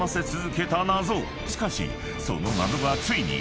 ［しかしその謎がついに］